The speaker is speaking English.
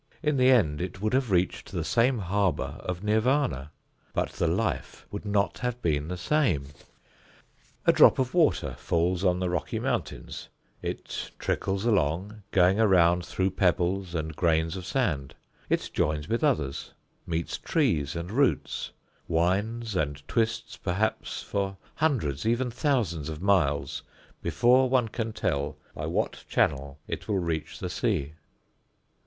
In the end it would have reached the same harbor of Nirvana. But the life would not have been the same. A drop of water falls on the Rocky Mountains, it trickles along, going around through pebbles and grains of sand; it joins with others, meets trees and roots, winds and twists perhaps for hundreds, even thousands of miles before one can tell by what channel it will reach the sea.